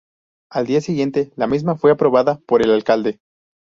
Al día siguiente, la misma fue aprobada por el alcalde.